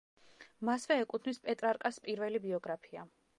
მასვე ეკუთვნის პეტრარკას პირველი ბიოგრაფია.